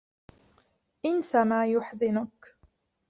انس ما يحزنك.